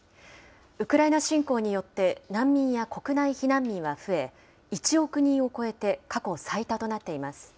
ウクライナ侵攻によって難民や国内避難民は増え、１億人を超えて過去最多となっています。